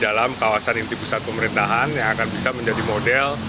dalam kawasan inti pusat pemerintahan yang akan bisa menjadi model